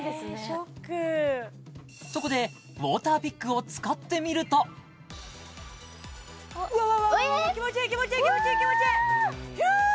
ショックそこでウォーターピックを使ってみるとうわうわうわうわ気持ちいい気持ちいいヒュー！